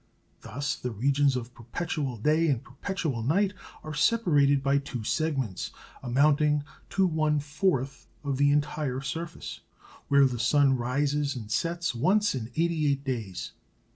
Thus the regions of perpetual day and perpetual night are separated by two segments, amounting to one fourth of the entire surface, where the sun rises and sets once in 88 days.